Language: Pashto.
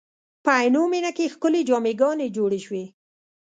په عینومېنه کې ښکلې جامع ګانې جوړې شوې.